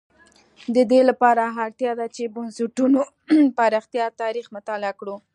د دې لپاره اړتیا ده چې د بنسټونو پراختیا تاریخ مطالعه کړو.